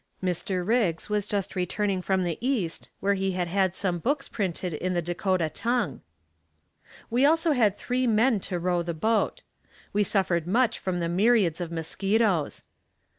Dr. Riggs was just returning from the east where he had had some books printed in the Dakota tongue. We also had three men to row the boat. We suffered much from the myriads of mosquitoes.